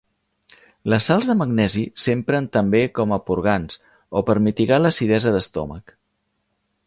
Les sals de magnesi s'empren també com a purgant o per mitigar l'acidesa d'estómac.